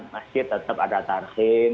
masjid tetap ada tarhim